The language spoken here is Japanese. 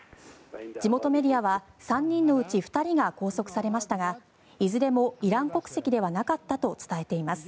地元メディアは３人のうち２人が拘束されましたがいずれもイラン国籍ではなかったと伝えています。